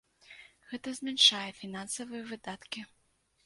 Гэта змяншае фінансавыя выдаткі.